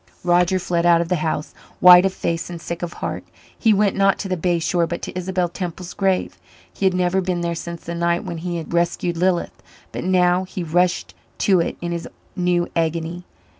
Roger fled out of the house, white of face and sick of heart. He went, not to the bay shore, but to Isabel Temple's grave. He had never been there since the night when he had rescued Lilith, but now he rushed to it in his new agony.